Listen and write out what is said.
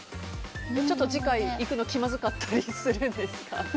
次回行くの気まずかったりするんですか？